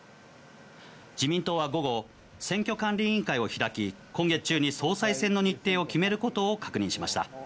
自民党は午後、選挙管理委員会を開き、今月中に総裁選の日程を決めることを確認しました。